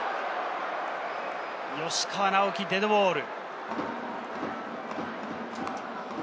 吉川尚輝、デッドボール。